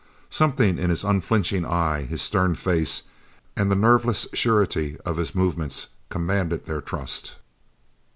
Something in his unflinching eye, his stern face, and the nerveless surety of his movements commanded their trust.